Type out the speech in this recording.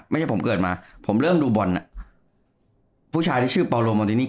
ไม่ใช่ผมเกิดมาผมเริ่มดูบอลน่ะผู้ชายที่ชื่อเปาโลโมตินี่